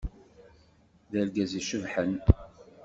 D argaz icebḥen.